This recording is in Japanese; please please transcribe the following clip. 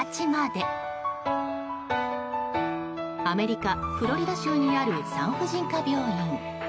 アメリカ・フロリダ州にある産婦人科病院。